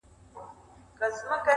• له خلوته مي پر بده لار روان كړل -